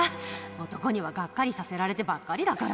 男にはがっかりさせられてばっかりだから。